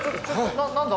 何だ？